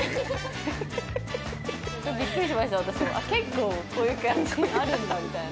結構こういう感じのあるんだみたいな。